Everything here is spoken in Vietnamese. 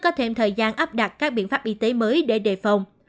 có thêm thời gian áp đặt các biện pháp y tế mới để đề phòng